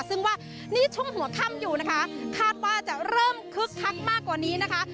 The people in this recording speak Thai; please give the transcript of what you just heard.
ซึ่งว่านี่ช่วงหัวค่ำอยู่นะคะคาดว่าจะเริ่มคึกคักมากกว่านี้นะคะ